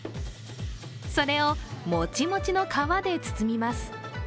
それをもちもちの皮で包みます。